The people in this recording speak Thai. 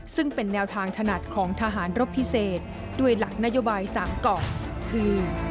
ซึ่งเป็นแนวทางถนัดของทหารรบพิเศษด้วยหลักนโยบาย๓เกาะคือ